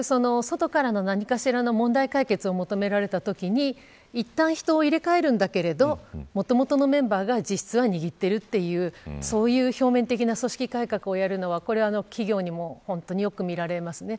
こういう外からの何かしらの問題解決を求められたときにいったん人を入れ替えるんだけどもともとのメンバーが実質は握っているというそういう表面的な組織改革を行うのは企業にもよく見られます。